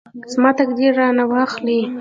زما تقدیر رانه واخلي.